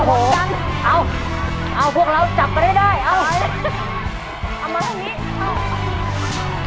เอาเอาพวกเราจับกันได้ได้เอาเอามาตรงนี้เอา